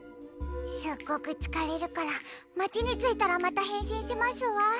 すっごく疲れるから街に着いたらまた変身しますわ。